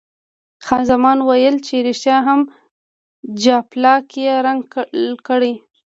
خان زمان ویل چې ریښتیا هم جاپلاک یې رنګ کړی.